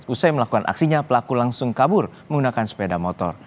usai melakukan aksinya pelaku langsung kabur menggunakan sepeda motor